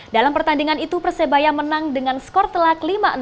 dalam pertandingan itu persebaya menang dengan skor telak lima enam